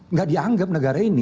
nggak dianggap negara ini